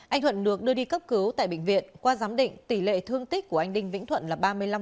anh thuận được đưa đi cấp cứu tại bệnh viện qua giám định tỷ lệ thương tích của anh đinh vĩnh thuận là ba mươi năm